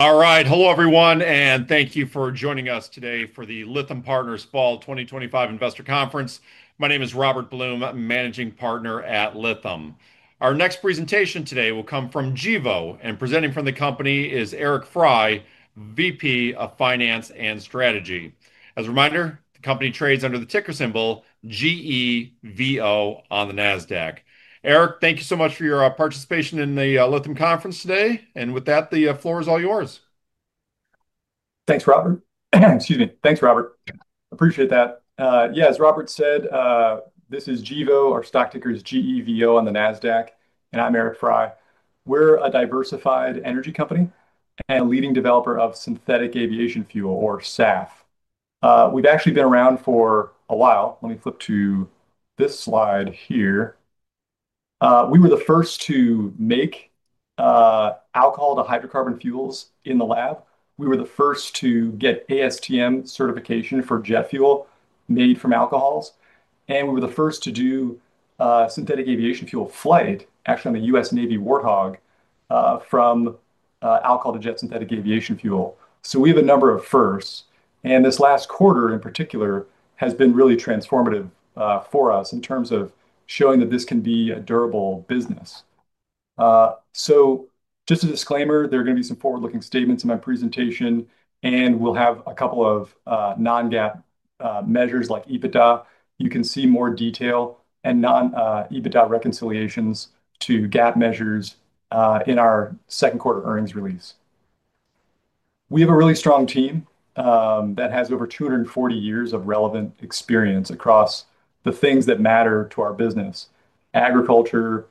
All right, hello everyone, and thank you for joining us today for the Lithium Partners Fall 2025 Investor Conference. My name is Robert Bloom, I'm a Managing Partner at Lithium. Our next presentation today will come from Gevo, and presenting from the company is Eric Frey, Vice President of Finance and Strategy. As a reminder, the company trades under the ticker symbol GEVO on the NASDAQ. Eric, thank you so much for your participation in the Lithium Conference today, and with that, the floor is all yours. Thanks, Robert. Appreciate that. Yeah, as Robert said, this is Gevo. Our stock ticker is GEVO on the NASDAQ, and I'm Eric Frey. We're a diversified energy company and a leading developer of synthetic aviation fuel, or SAF. We've actually been around for a while. Let me flip to this slide here. We were the first to make alcohol to hydrocarbon fuels in the lab. We were the first to get ASTM certification for jet fuel made from alcohols, and we were the first to do a synthetic aviation fuel flight, actually on the U.S. Navy Warthog, from alcohol to jet synthetic aviation fuel. We have a number of firsts, and this last quarter in particular has been really transformative for us in terms of showing that this can be a durable business. Just a disclaimer, there are going to be some forward-looking statements in my presentation, and we'll have a couple of non-GAAP measures like EBITDA. You can see more detail and non-EBITDA reconciliations to GAAP measures in our second quarter earnings release. We have a really strong team that has over 240 years of relevant experience across the things that matter to our business: agriculture,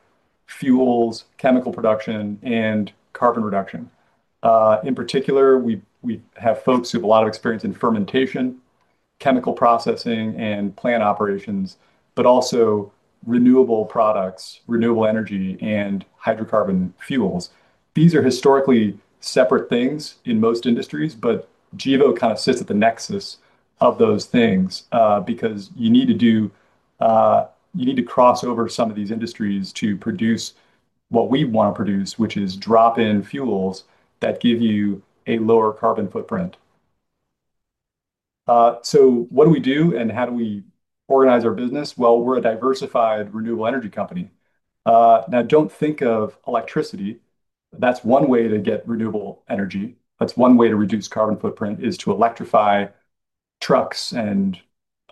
fuels, chemical production, and carbon reduction. In particular, we have folks who have a lot of experience in fermentation, chemical processing, and plant operations, but also renewable products, renewable energy, and hydrocarbon fuels. These are historically separate things in most industries. Gevo kind of sits at the nexus of those things because you need to cross over some of these industries to produce what we want to produce, which is drop-in fuels that give you a lower carbon footprint. What do we do and how do we organize our business? We're a diversified renewable energy company. Do not think of electricity. That's one way to get renewable energy. That's one way to reduce carbon footprint is to electrify trucks and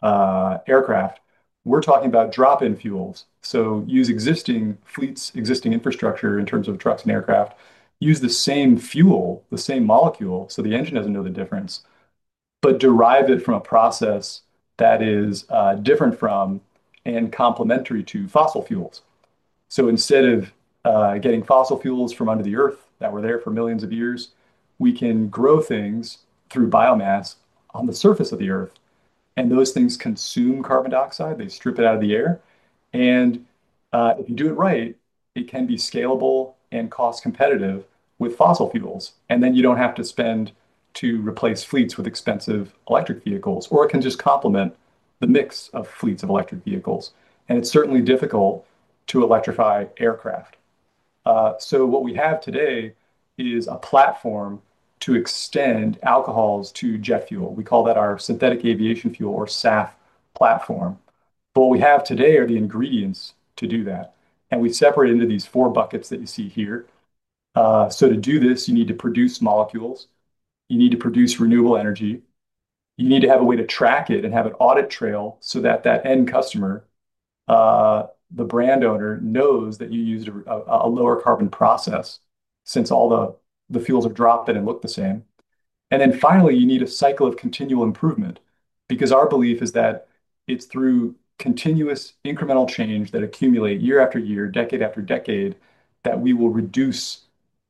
aircraft. We're talking about drop-in fuels. Use existing fleets, existing infrastructure in terms of trucks and aircraft. Use the same fuel, the same molecule, so the engine doesn't know the difference, but derive it from a process that is different from and complementary to fossil fuels. Instead of getting fossil fuels from under the earth that were there for millions of years, we can grow things through biomass on the surface of the earth, and those things consume carbon dioxide. They strip it out of the air. If you do it right, it can be scalable and cost-competitive with fossil fuels. You don't have to spend to replace fleets with expensive electric vehicles, or it can just complement the mix of fleets of electric vehicles. It's certainly difficult to electrify aircraft. What we have today is a platform to extend alcohols to jet fuel. We call that our Sustainable Aviation Fuel or SAF platform. What we have today are the ingredients to do that. We separate into these four buckets that you see here. To do this, you need to produce molecules. You need to produce renewable energy. You need to have a way to track it and have an audit trail so that the end customer, the brand owner, knows that you used a lower carbon process since all the fuels are dropped and look the same. Finally, you need a cycle of continual improvement because our belief is that it's through continuous incremental change that accumulates year after year, decade after decade, that we will reduce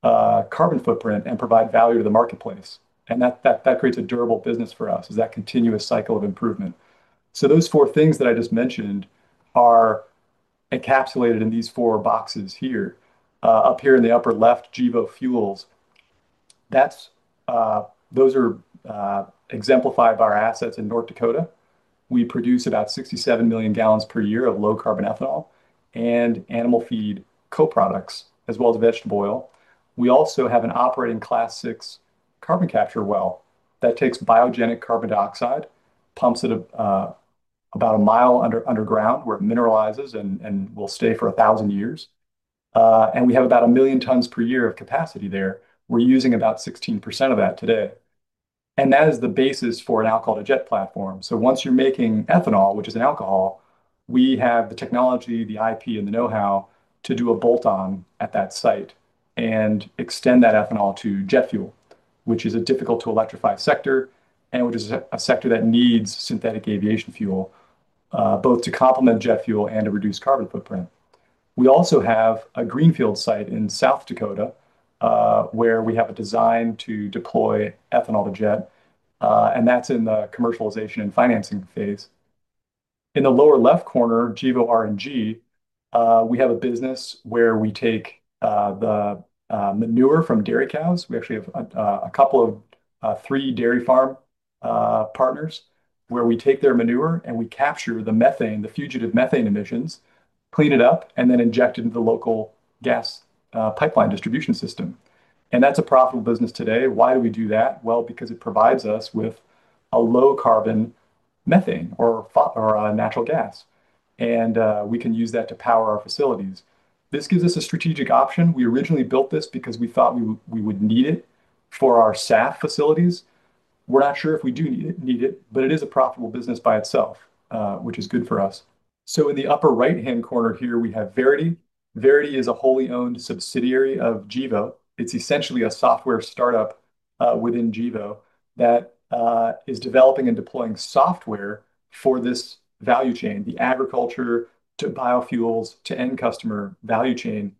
carbon footprint and provide value to the marketplace. That creates a durable business for us, that continuous cycle of improvement. Those four things that I just mentioned are encapsulated in these four boxes here. Up here in the upper left, Gevo Fuels. Those are exemplified by our assets in North Dakota. We produce about 67 million gallons per year of low carbon ethanol and animal feed co-products, as well as vegetable oil. We also have an operating Class VI carbon capture well that takes biogenic carbon dioxide, pumps it about a mile underground where it mineralizes and will stay for a thousand years. We have about 1 million tons per year of capacity there. We're using about 16% of that today. That is the basis for an Alcohol-to-Jet platform. Once you're making ethanol, which is an alcohol, we have the technology, the IP, and the know-how to do a bolt-on at that site and extend that ethanol to jet fuel, which is a difficult to electrify sector and a sector that needs Sustainable Aviation Fuel, both to complement jet fuel and to reduce carbon footprint. We also have a greenfield site in South Dakota where we have a design to deploy ethanol to jet, and that's in the commercialization and financing phase. In the lower left corner, Gevo R&G, we have a business where we take the manure from dairy cows. We actually have a couple of three dairy farm partners where we take their manure and we capture the methane, the fugitive methane emissions, clean it up, and then inject it into the local gas pipeline distribution system. That's a profitable business today. Why do we do that? It provides us with a low carbon methane or natural gas, and we can use that to power our facilities. This gives us a strategic option. We originally built this because we thought we would need it for our SAF facilities. We're not sure if we do need it, but it is a profitable business by itself, which is good for us. In the upper right-hand corner here, we have Verity. Verity is a wholly owned subsidiary of Gevo. It's essentially a software startup within Gevo that is developing and deploying software for this value chain, the agriculture to biofuels to end customer value chain,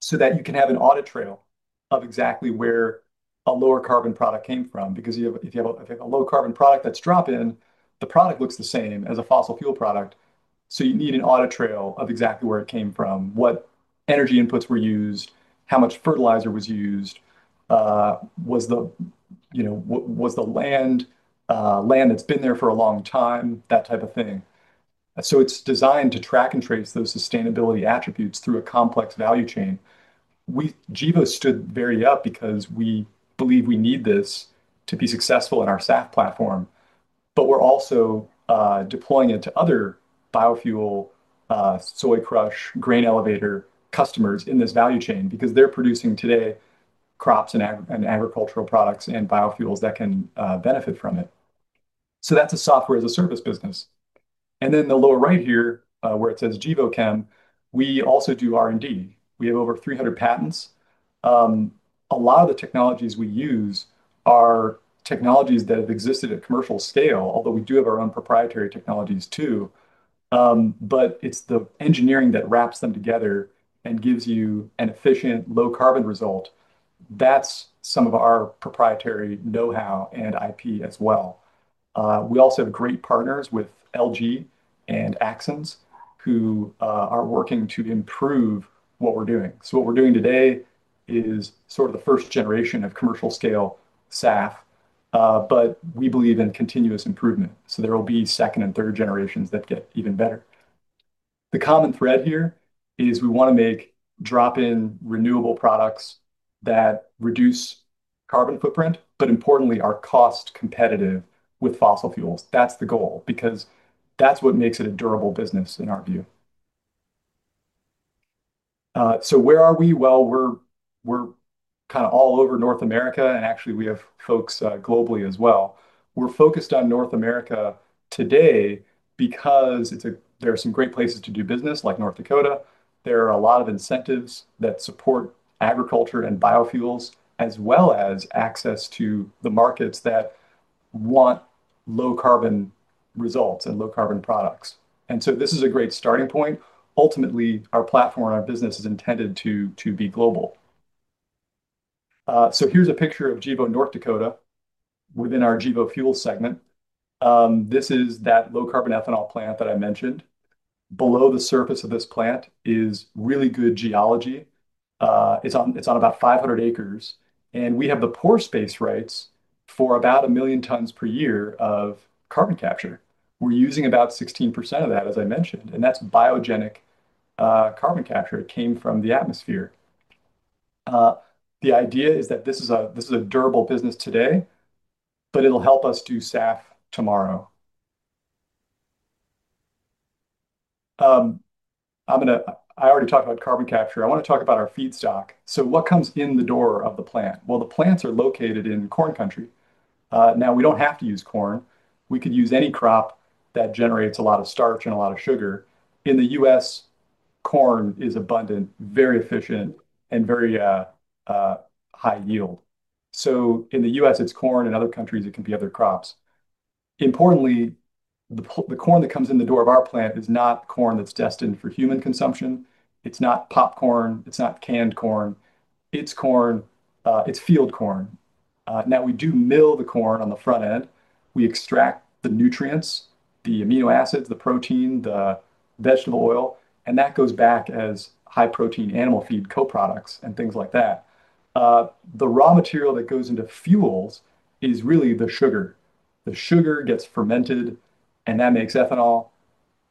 so that you can have an audit trail of exactly where a lower carbon product came from. If you have a low carbon product that's drop-in, the product looks the same as a fossil fuel product. You need an audit trail of exactly where it came from, what energy inputs were used, how much fertilizer was used, was the land that's been there for a long time, that type of thing. It's designed to track and trace those sustainability attributes through a complex value chain. Gevo stood Verity up because we believe we need this to be successful in our SAF platform, but we're also deploying it to other biofuel, soy crush, grain elevator customers in this value chain because they're producing today crops and agricultural products and biofuels that can benefit from it. That's a software as a service business. In the lower right here, where it says Gevo Chem, we also do R&D. We have over 300 patents. A lot of the technologies we use are technologies that have existed at commercial scale, although we do have our own proprietary technologies too. It's the engineering that wraps them together and gives you an efficient, low carbon result. That's some of our proprietary know-how and IP as well. We also have great partners with LG and Axens, who are working to improve what we're doing. What we're doing today is sort of the first generation of commercial scale SAF, but we believe in continuous improvement. There will be second and third generations that get even better. The common thread here is we want to make drop-in renewable products that reduce carbon footprint, but importantly, are cost-competitive with fossil fuels. That's the goal because that's what makes it a durable business in our view. Where are we? We're kind of all over North America, and actually we have folks globally as well. We're focused on North America today because there are some great places to do business like North Dakota. There are a lot of incentives that support agriculture and biofuels, as well as access to the markets that want low carbon results and low carbon products. This is a great starting point. Ultimately, our platform and our business is intended to be global. Here's a picture of Gevo, North Dakota, within our Gevo Fuels segment. This is that low carbon ethanol plant that I mentioned. Below the surface of this plant is really good geology. It's on about 500 acres, and we have the pore space rights for about a million tons per year of carbon capture. We're using about 16% of that, as I mentioned, and that's biogenic carbon capture. It came from the atmosphere. The idea is that this is a durable business today, but it'll help us do SAF tomorrow. I already talked about carbon capture. I want to talk about our feedstock. What comes in the door of the plant? The plants are located in corn country. Now, we don't have to use corn. We could use any crop that generates a lot of starch and a lot of sugar. In the U.S., corn is abundant, very efficient, and very high yield. In the U.S., it's corn. In other countries, it can be other crops. Importantly, the corn that comes in the door of our plant is not corn that's destined for human consumption. It's not popcorn. It's not canned corn. It's corn. It's field corn. We do mill the corn on the front end. We extract the nutrients, the amino acids, the protein, the vegetable oil, and that goes back as high protein animal feed co-products and things like that. The raw material that goes into fuels is really the sugar. The sugar gets fermented, and that makes ethanol.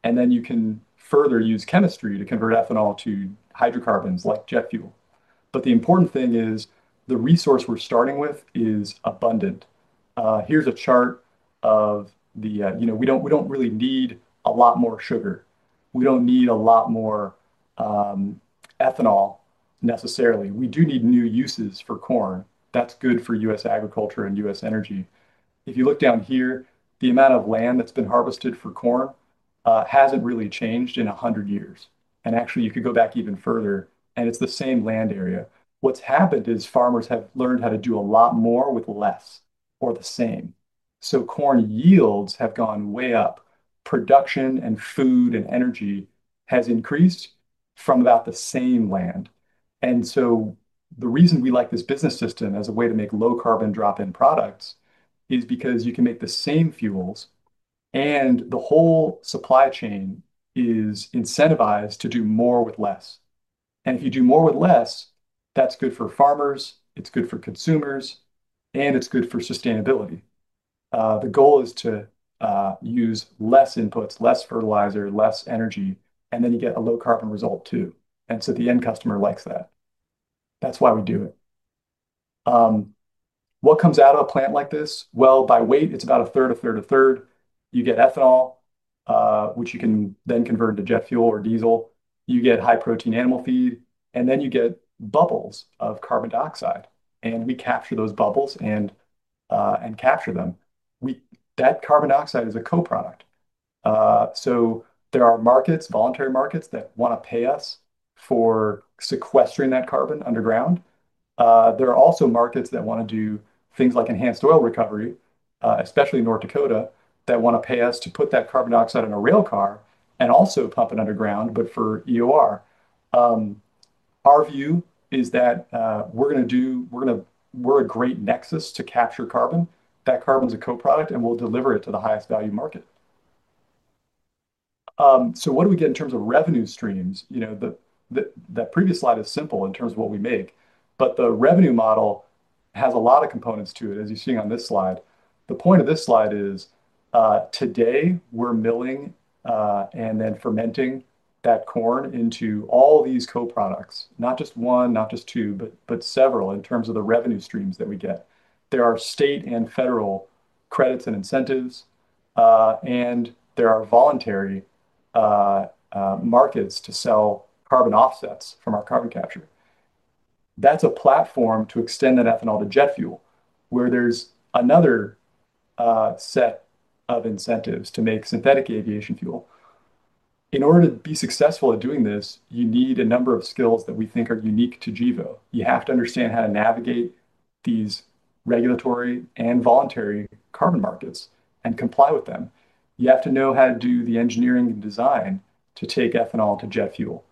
Then you can further use chemistry to convert ethanol to hydrocarbons like jet fuel. The important thing is the resource we're starting with is abundant. Here's a chart of the, you know, we don't really need a lot more sugar. We don't need a lot more ethanol necessarily. We do need new uses for corn. That's good for U.S. agriculture and U.S. energy. If you look down here, the amount of land that's been harvested for corn hasn't really changed in 100 years. Actually, you could go back even further, and it's the same land area. What's happened is farmers have learned how to do a lot more with less or the same. Corn yields have gone way up. Production and food and energy has increased from about the same land. The reason we like this business system as a way to make low carbon drop-in products is because you can make the same fuels, and the whole supply chain is incentivized to do more with less. If you do more with less, that's good for farmers, it's good for consumers, and it's good for sustainability. The goal is to use less inputs, less fertilizer, less energy, and then you get a low carbon result too. The end customer likes that. That's why we do it. What comes out of a plant like this? By weight, it's about a third, a third, a third. You get ethanol, which you can then convert into jet fuel or diesel. You get high protein animal feed, and then you get bubbles of carbon dioxide. We capture those bubbles and capture them. That carbon dioxide is a co-product. There are markets, voluntary markets that want to pay us for sequestering that carbon underground. There are also markets that want to do things like enhanced oil recovery, especially in North Dakota, that want to pay us to put that carbon dioxide in a rail car and also pump it underground, but for enhanced oil recovery. Our view is that we're going to do, we're a great nexus to capture carbon. That carbon is a co-product, and we'll deliver it to the highest value market. What do we get in terms of revenue streams? That previous slide is simple in terms of what we make, but the revenue model has a lot of components to it, as you're seeing on this slide. The point of this slide is today we're milling and then fermenting that corn into all these co-products, not just one, not just two, but several in terms of the revenue streams that we get. There are state and federal credits and incentives, and there are voluntary markets to sell carbon offsets from our carbon capture. That's a platform to extend that ethanol to jet fuel, where there's another set of incentives to make synthetic aviation fuel. In order to be successful at doing this, you need a number of skills that we think are unique to Gevo. You have to understand how to navigate these regulatory and voluntary carbon markets and comply with them. You have to know how to do the engineering and design to take ethanol to jet fuel.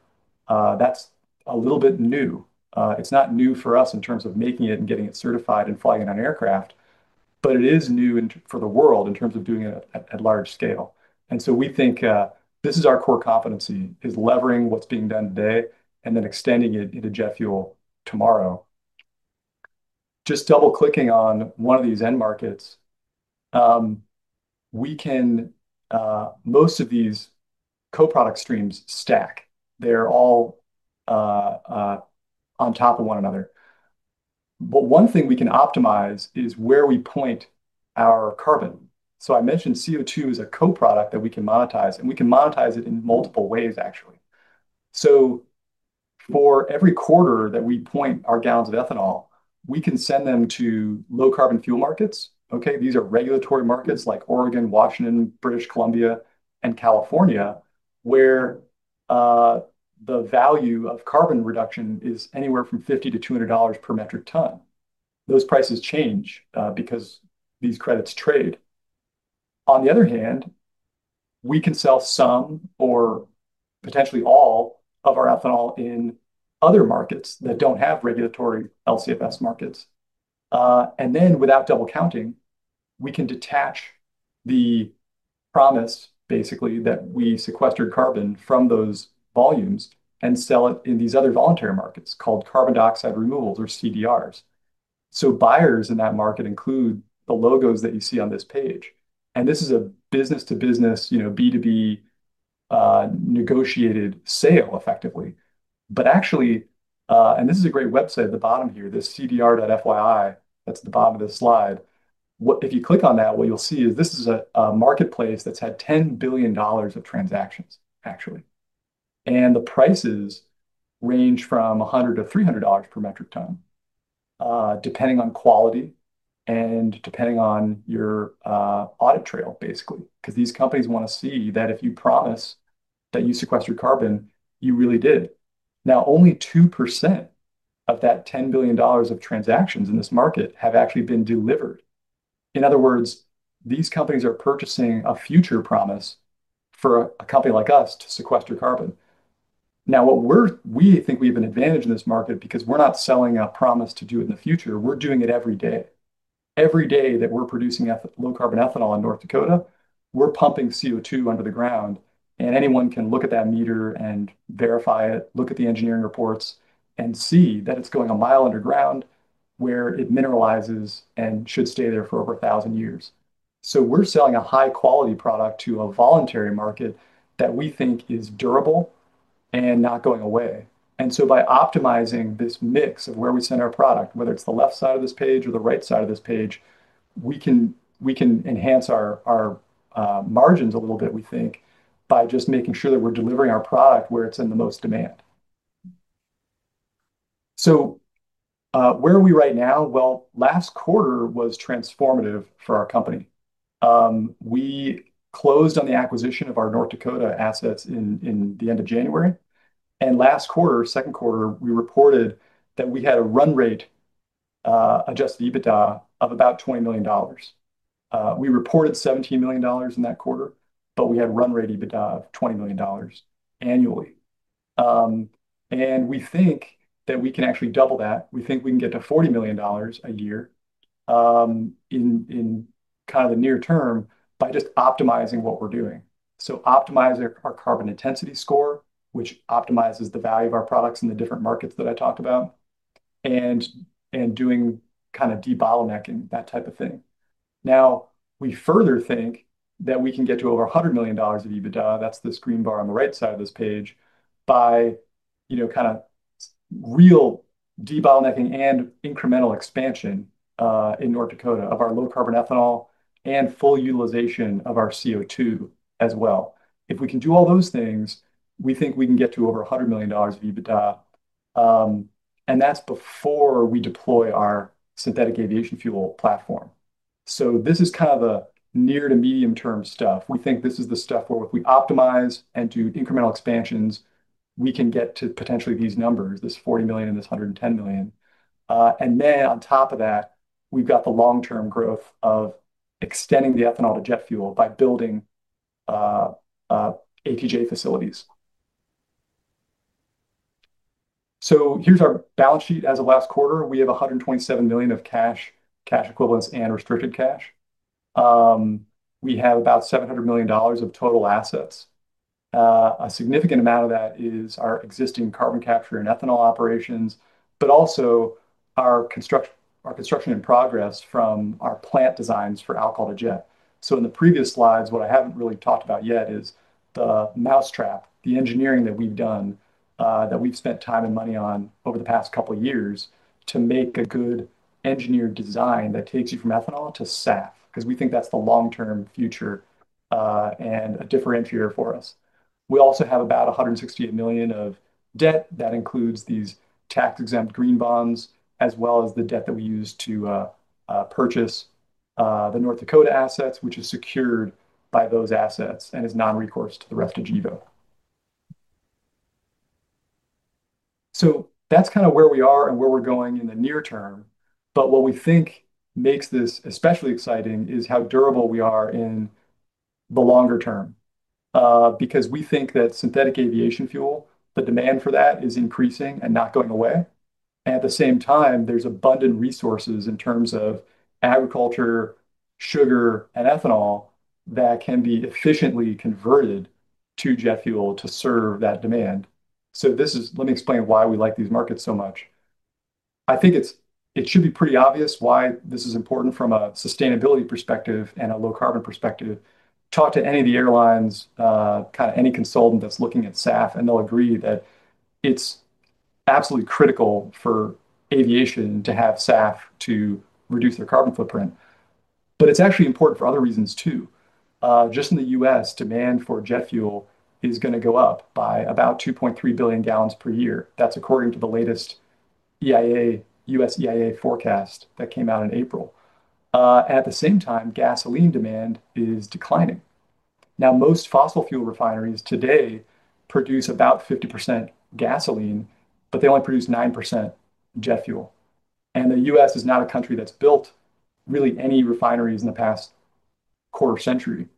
That's a little bit new. It's not new for us in terms of making it and getting it certified and flying it on aircraft, but it is new for the world in terms of doing it at large scale. We think this is our core competency, is levering what's being done today and then extending it into jet fuel tomorrow. Just double-clicking on one of these end markets, most of these co-product streams stack. They're all on top of one another. One thing we can optimize is where we point our carbon. I mentioned CO2 is a co-product that we can monetize, and we can monetize it in multiple ways, actually. For every quarter that we point our gallons of ethanol, we can send them to low carbon fuel markets. These are regulatory markets like Oregon, Washington, British Columbia, and California, where the value of carbon reduction is anywhere from $50-$200 per metric ton. Those prices change because these credits trade. On the other hand, we can sell some or potentially all of our ethanol in other markets that don't have regulatory LCFS markets. Without double counting, we can detach the promise, basically, that we sequestered carbon from those volumes and sell it in these other voluntary markets called Carbon Dioxide Removal credits, or CDRs. Buyers in that market include the logos that you see on this page. This is a business-to-business, B2B negotiated sale effectively. Actually, and this is a great website at the bottom here, this cdr.fyi, that's at the bottom of this slide. If you click on that, what you'll see is this is a marketplace that's had $10 billion of transactions, actually. The prices range from $100 to $300 per metric ton, depending on quality and depending on your audit trail, basically, because these companies want to see that if you promise that you sequester carbon, you really did. Only 2% of that $10 billion of transactions in this market have actually been delivered. In other words, these companies are purchasing a future promise for a company like us to sequester carbon. We think we have an advantage in this market because we're not selling a promise to do it in the future. We're doing it every day. Every day that we're producing low carbon ethanol in North Dakota, we're pumping CO2 under the ground, and anyone can look at that meter and verify it, look at the engineering reports, and see that it's going a mile underground where it mineralizes and should stay there for over a thousand years. We're selling a high-quality product to a voluntary market that we think is durable and not going away. By optimizing this mix of where we send our product, whether it's the left side of this page or the right side of this page, we can enhance our margins a little bit, we think, by just making sure that we're delivering our product where it's in the most demand. Where are we right now? Last quarter was transformative for our company. We closed on the acquisition of our North Dakota assets at the end of January. In the second quarter, we reported that we had a run-rate adjusted EBITDA of about $20 million. We reported $17 million in that quarter, but we had run-rate EBITDA of $20 million annually. We think that we can actually double that. We think we can get to $40 million a year in kind of the near term by just optimizing what we're doing. Optimize our carbon intensity score, which optimizes the value of our products in the different markets that I talked about, and doing kind of de-bottlenecking, that type of thing. We further think that we can get to over $100 million of EBITDA. That's the green bar on the right side of this page by kind of real de-bottlenecking and incremental expansion in North Dakota of our low carbon ethanol and full utilization of our CO2 as well. If we can do all those things, we think we can get to over $100 million of EBITDA. That's before we deploy our synthetic aviation fuel platform. This is kind of a near to medium term stuff. We think this is the stuff where if we optimize and do incremental expansions, we can get to potentially these numbers, this $40 million and this $110 million. On top of that, we've got the long-term growth of extending the ethanol to jet fuel by building ATJ facilities. Here's our balance sheet as of last quarter. We have $127 million of cash, cash equivalents, and restricted cash. We have about $700 million of total assets. A significant amount of that is our existing carbon capture and ethanol operations, but also our construction in progress from our plant designs for Alcohol-to-Jet. In the previous slides, what I haven't really talked about yet is the mousetrap, the engineering that we've done, that we've spent time and money on over the past couple of years to make a good engineered design that takes you from ethanol to SAF because we think that's the long-term future and a differentiator for us. We also have about $168 million of debt that includes these tax-exempt green bonds, as well as the debt that we use to purchase the North Dakota assets, which is secured by those assets and is non-recourse to the rest of Gevo. That's kind of where we are and where we're going in the near term. What we think makes this especially exciting is how durable we are in the longer term because we think that synthetic aviation fuel, the demand for that is increasing and not going away. At the same time, there's abundant resources in terms of agriculture, sugar, and ethanol that can be efficiently converted to jet fuel to serve that demand. Let me explain why we like these markets so much. I think it should be pretty obvious why this is important from a sustainability perspective and a low carbon perspective. Talk to any of the airlines, any consultant that's looking at SAF, and they'll agree that it's absolutely critical for aviation to have SAF to reduce their carbon footprint. It's actually important for other reasons too. Just in the U.S., demand for jet fuel is going to go up by about 2.3 billion gallons per year. That's according to the latest U.S. EIA forecast that came out in April. At the same time, gasoline demand is declining. Most fossil fuel refineries today produce about 50% gasoline, but they only produce 9% jet fuel. The U.S. is not a country that's built really any refineries in the past quarter century.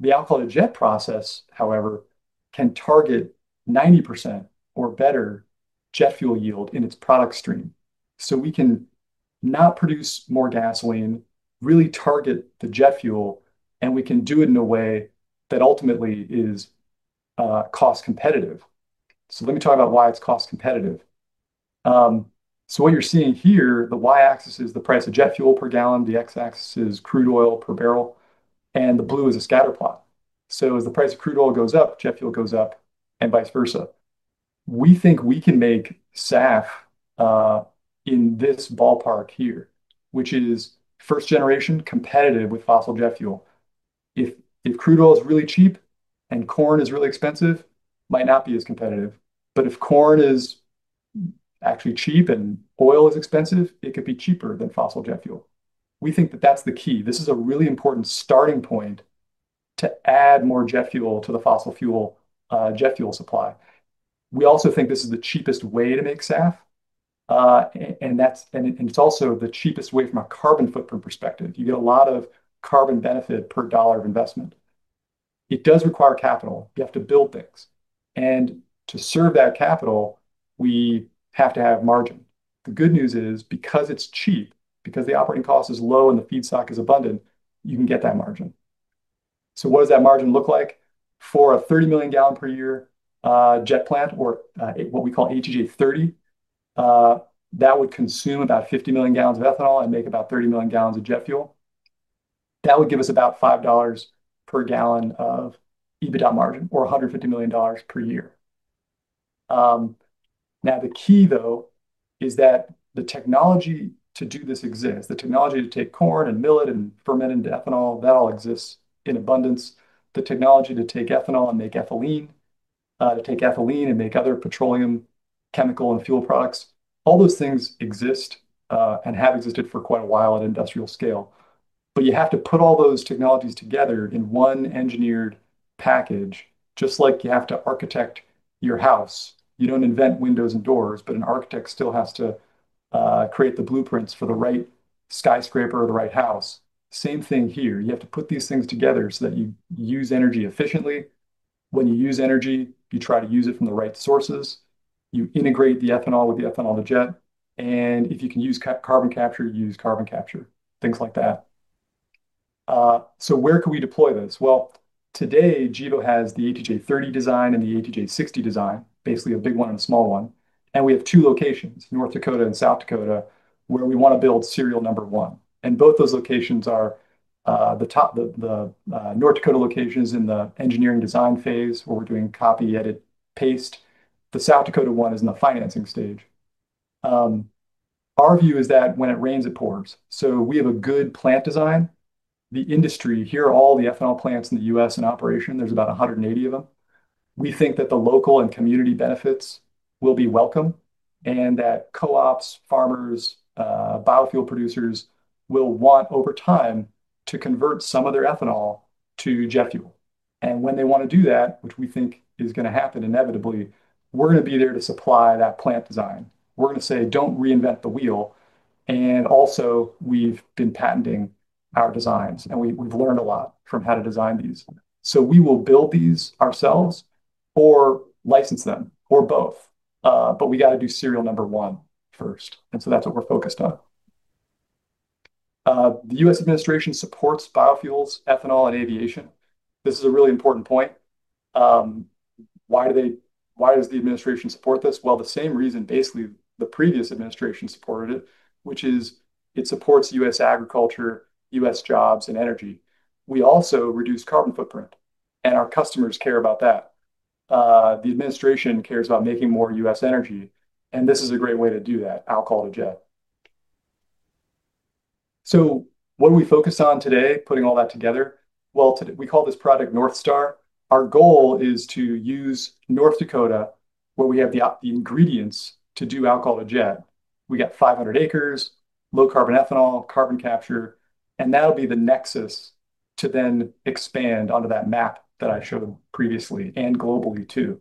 The Alcohol-to-Jet process, however, can target 90% or better jet fuel yield in its product stream. We can not produce more gasoline, really target the jet fuel, and we can do it in a way that ultimately is cost-competitive. Let me talk about why it's cost-competitive. What you're seeing here, the y-axis is the price of jet fuel per gallon, the x-axis is crude oil per barrel, and the blue is a scatter plot. As the price of crude oil goes up, jet fuel goes up, and vice versa. We think we can make SAF in this ballpark here, which is first generation competitive with fossil jet fuel. If crude oil is really cheap and corn is really expensive, it might not be as competitive. If corn is actually cheap and oil is expensive, it could be cheaper than fossil jet fuel. We think that that's the key. This is a really important starting point to add more jet fuel to the fossil fuel jet fuel supply. We also think this is the cheapest way to make SAF, and it's also the cheapest way from a carbon footprint perspective. You get a lot of carbon benefit per dollar of investment. It does require capital. You have to build things. To serve that capital, we have to have margin. The good news is because it's cheap, because the operating cost is low and the feedstock is abundant, you can get that margin. What does that margin look like? For a 30 million gallon per year jet plant, or what we call ATJ 30, that would consume about 50 million gallons of ethanol and make about 30 million gallons of jet fuel. That would give us about $5 per gallon of EBITDA margin or $150 million per year. The key though is that the technology to do this exists. The technology to take corn and mill it and ferment it into ethanol, that all exists in abundance. The technology to take ethanol and make ethylene, to take ethylene and make other petroleum chemical and fuel products, all those things exist and have existed for quite a while at industrial scale. You have to put all those technologies together in one engineered package, just like you have to architect your house. You don't invent windows and doors, but an architect still has to create the blueprints for the right skyscraper or the right house. Same thing here. You have to put these things together so that you use energy efficiently. When you use energy, you try to use it from the right sources. You integrate the ethanol with the ethanol to jet. If you can use carbon capture, you use carbon capture, things like that. Where could we deploy this? Today Gevo has the ATJ 30 design and the ATJ 60 design, basically a big one and a small one. We have two locations, North Dakota and South Dakota, where we want to build serial number one. Both those locations are the North Dakota locations in the engineering design phase where we're doing copy, edit, paste. The South Dakota one is in the financing stage. Our view is that when it rains, it pours. We have a good plant design. The industry, here are all the ethanol plants in the U.S. in operation. There's about 180 of them. We think that the local and community benefits will be welcome and that co-ops, farmers, biofuel producers will want over time to convert some of their ethanol to jet fuel. When they want to do that, which we think is going to happen inevitably, we're going to be there to supply that plant design. We're going to say, don't reinvent the wheel. Also, we've been patenting our designs, and we've learned a lot from how to design these. We will build these ourselves or license them or both. We got to do serial number one first. That's what we're focused on. The U.S. administration supports biofuels, ethanol, and aviation. This is a really important point. Why does the administration support this? The same reason, basically, the previous administration supported it, which is it supports U.S. agriculture, U.S. jobs, and energy. We also reduce carbon footprint, and our customers care about that. The administration cares about making more U.S. energy, and this is a great way to do that, alcohol to jet. What are we focused on today, putting all that together? We call this project North Star. Our goal is to use North Dakota where we have the ingredients to do alcohol to jet. We got 500 acres, low carbon ethanol, carbon capture, and that'll be the nexus to then expand onto that map that I showed previously and globally too.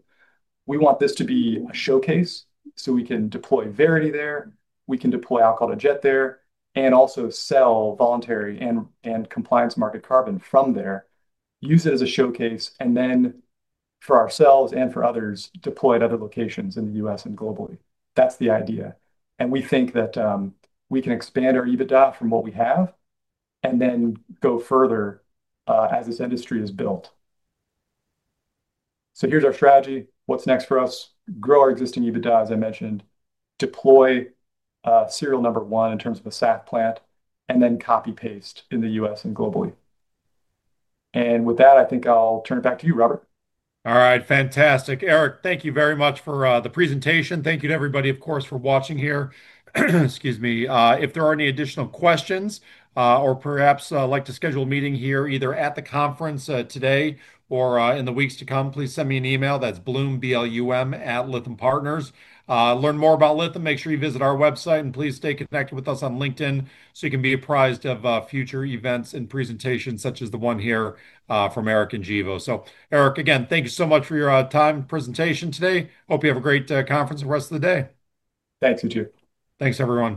We want this to be a showcase so we can deploy Verity there, we can deploy alcohol to jet there, and also sell voluntary and compliance market carbon from there, use it as a showcase, and then for ourselves and for others, deploy it at other locations in the U.S. and globally. That's the idea. We think that we can expand our EBITDA from what we have and then go further as this industry is built. Here's our strategy. What's next for us? Grow our existing EBITDA, as I mentioned, deploy serial number one in terms of a SAF plant, and then copy-paste in the U.S. and globally. With that, I think I'll turn it back to you, Robert. All right, fantastic. Eric, thank you very much for the presentation. Thank you to everybody, of course, for watching here. If there are any additional questions or perhaps would like to schedule a meeting here either at the conference today or in the weeks to come, please send me an email. That's bloom@lithiumpartners. Learn more about Lithium Partners. Make sure you visit our website, and please stay connected with us on LinkedIn so you can be apprised of future events and presentations such as the one here from Eric and Gevo. Eric, again, thank you so much for your time and presentation today. Hope you have a great conference and the rest of the day. Thanks, you too. Thanks, everyone.